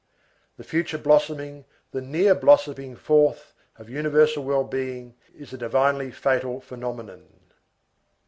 The future blossoming, the near blossoming forth of universal well being, is a divinely fatal phenomenon.